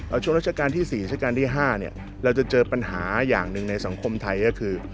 เอาช่วงรัชกาลที่๔ราชการที่๕เนี่ยเราจะเจอปัญหาอย่างหนึ่งในสังคมไทยก็คือ